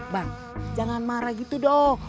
bang jangan marah gitu dong